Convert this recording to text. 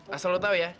asal lu tau ya